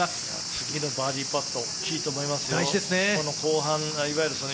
次のバーディーパットは大きいと思いますよ。